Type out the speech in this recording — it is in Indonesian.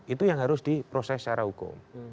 itu yang harus diproses secara hukum